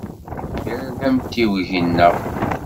Akal d amtiweg-nneɣ.